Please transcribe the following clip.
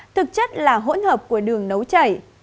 thực chất là hỗn hợp của đường nấu chảy